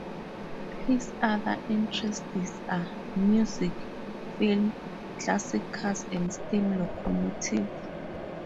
His other interests are: music, film, classic cars and steam locomotives.